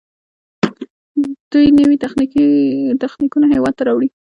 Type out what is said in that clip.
دوی نوي تخنیکونه هیواد ته راوړي.